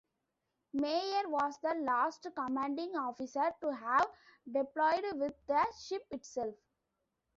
Meyer was the last commanding officer to have deployed with the ship itself.